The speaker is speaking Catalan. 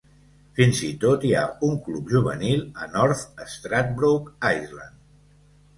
Fins i tot hi ha un club juvenil a North Stradbroke Island.